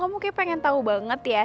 kamu kayaknya pengen tau banget ya